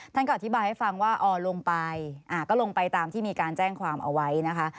ท่านก็อธิบายให้ฟังว่าลงไปก็ลงไปตามที่มีการแจ้งความเอาไว้นะคะ